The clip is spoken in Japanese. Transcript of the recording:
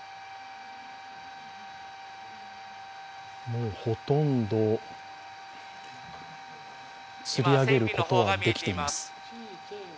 もうほとんどつり上げることはできています。